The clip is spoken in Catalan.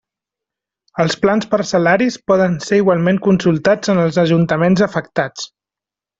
Els plans parcel·laris poden ser igualment consultats en els ajuntaments afectats.